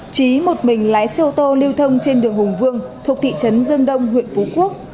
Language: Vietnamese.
trí một mình lái xe ô tô lưu thông trên đường hùng vương thuộc thị trấn dương đông huyện phú quốc